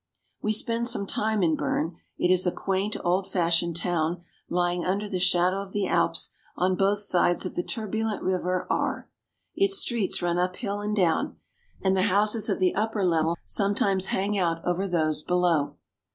We spend some time in Bern. It is a quaint, old fashioned town lying under the shadow of the Alps on both sides of the turbulent river Aar. Its streets run up hill and down, and the houses of the upper level sometimes hang out over those below.